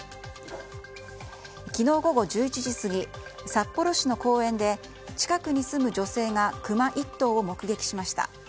昨日午後１１時過ぎ札幌市の公園で近くに住む女性がクマ１頭を目撃しました。